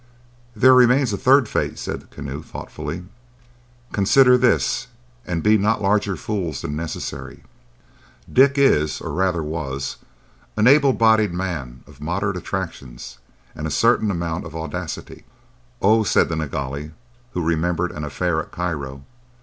"There remains a third fate," said the Keneu, thoughtfully. "Consider this, and be not larger fools than necessary. Dick is—or rather was—an able bodied man of moderate attractions and a certain amount of audacity." "Oho!" said the Nilghai, who remembered an affair at Cairo.